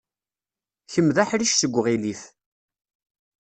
Kemm d aḥric seg uɣilif.